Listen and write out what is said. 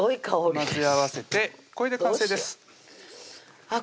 混ぜ合わせてこれで完成ですあっ